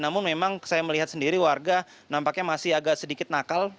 namun memang saya melihat sendiri warga nampaknya masih agak sedikit nakal